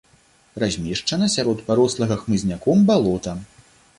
Размешчана сярод парослага хмызняком балота.